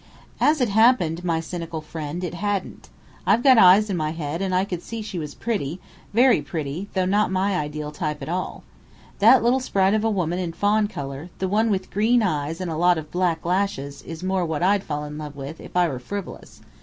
"As it happened, my cynical friend, it hadn't. I've got eyes in my head and I could see she was pretty, very pretty, though not my ideal type at all. That little sprite of a woman in fawn colour, the one with green eyes and a lot of black lashes, is more what I'd fall in love with if I were frivolous.